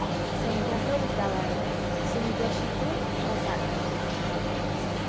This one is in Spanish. Se encuentra ubicada en Sumiyoshi-ku, Osaka.